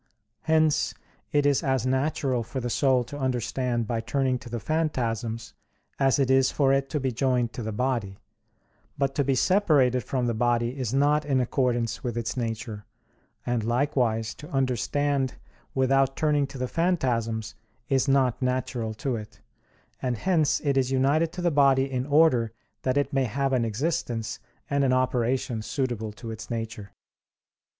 Hence it is as natural for the soul to understand by turning to the phantasms as it is for it to be joined to the body; but to be separated from the body is not in accordance with its nature, and likewise to understand without turning to the phantasms is not natural to it; and hence it is united to the body in order that it may have an existence and an operation suitable to its nature.